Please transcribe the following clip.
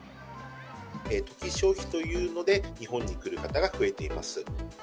トキ消費というので、日本に来る方が増えています。